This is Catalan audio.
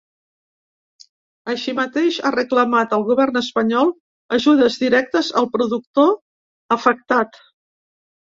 Així mateix, ha reclamat al govern espanyol ajudes directes al productor afectat.